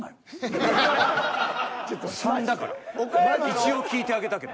一応聞いてあげたけど。